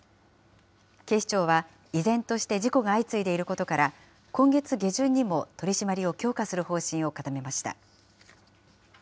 警視庁は、依然として事故が相次いでいることから、今月下旬にも取締りを強化する方針を固めました。